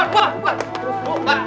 hubar hubar hubar